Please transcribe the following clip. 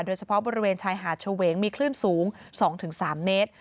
โดยเฉพาะบริเวณชายหาดเฉวงมีคลื่นสูง๒๓เมตร